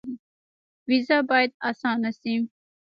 ویزه باید اسانه شي